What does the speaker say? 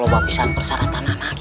lo bapisan perseratan anak